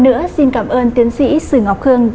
nữa xin cảm ơn tiến sĩ sư ngọc khương